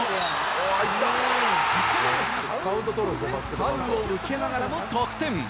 ファウルを受けながらも得点。